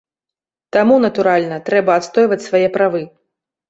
Таму, натуральна, трэба адстойваць свае правы.